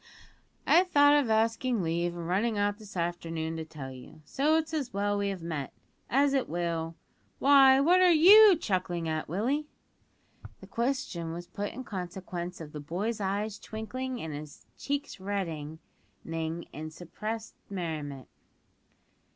"I thought of asking leave and running out this afternoon to tell you, so it's as well we have met, as it will Why, what are you chuckling at, Willie?" This question was put in consequence of the boy's eyes twinkling and his cheeks reddening with suppressed merriment.